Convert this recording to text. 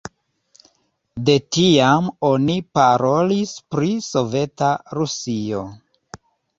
De tiam oni parolis pri Soveta Rusio.